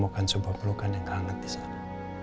dan kangen disana